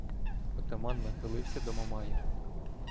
Отаман нахилився до Мамая: